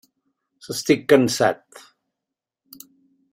Estic cansat.